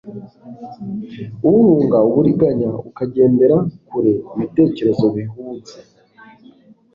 uhunga uburiganya, ukagendera kure ibitekerezo bihubutse